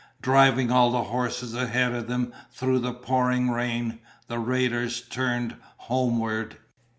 Driving all the horses ahead of them through the pouring rain, the raiders turned homeward.